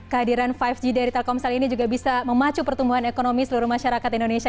kehadiran lima g dari telkomsel ini juga bisa memacu pertumbuhan ekonomi seluruh masyarakat indonesia